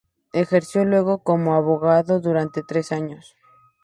Ejerció luego como abogado durante tres años.